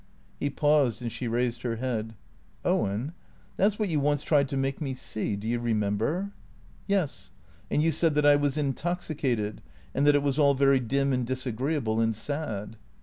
He paused and she raised her head. " Owen — that 's what you once tried to make me see. Do you remember ?"" Yes, and you said that I was intoxicated and that it was all very dim and disagreeable and sad."